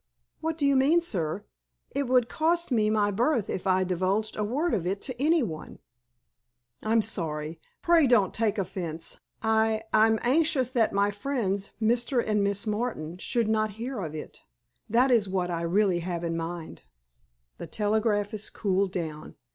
"What do you mean, sir? It would cost me my berth if I divulged a word of it to anyone." "I'm sorry. Pray don't take offense. I—I'm anxious that my friends, Mr. and Miss Martin, should not hear of it. That is what I really have in mind." The telegraphist cooled down.